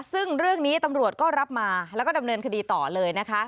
ซึ่งเรื่องนี้ตำรวจก็รับมาแล้วก็ดำเนินคดีต่อเลยนะคะ